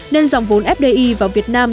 nên dòng vốn fdi vào việt nam